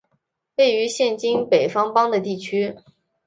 位于现今北方邦的地区。